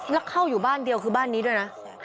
แล้วเข้าอยู่บ้านเดียวคือบ้านนี้ด้วยนะ